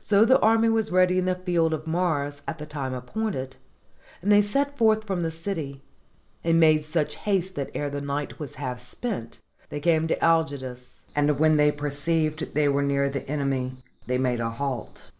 So the army was ready in the Field of Mars at the time appointed, and they set forth from the city, and made such haste that ere the night was half spent, they came to Algidus; and when they perceived that they were near the enemy, they made a halt.